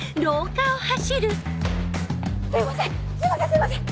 すいません！